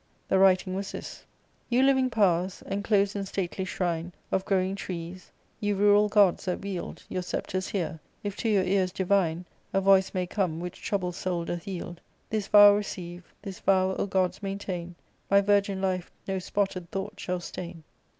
The writing was this :—.You living powers enclos'd in stately shrine Of growing trees, you rural gods that wield Your sceptres here, if to your ears divine A voice may come, which troubled soul doth yield. This vow receive, this vow, O gods, maintain : My virgin life no spotted thought shall stain.